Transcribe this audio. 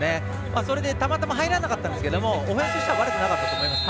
それでたまたま入らなかったんですけどオフェンスとしては悪くなかったです。